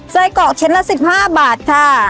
ไส้กรอกชิ้นละ๑๕บาทค่ะ